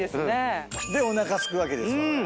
でおなかすくわけですよ。